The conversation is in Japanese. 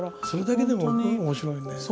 それだけでも面白いね。